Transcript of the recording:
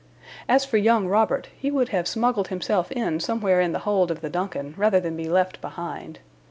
As for young Robert, he would have smuggled himself in somewhere in the hold of the DUNCAN rather than be left behind.